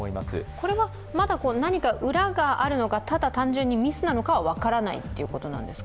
これはまだ何か裏があるのか、ただ単純にミスなのか分からないということなんですか。